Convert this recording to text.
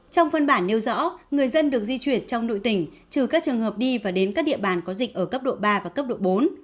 trong phân bản nêu rõ người dân được di chuyển trong nội tỉnh trừ các trường hợp đi và đến các địa bàn có dịch ở cấp độ ba và cấp độ bốn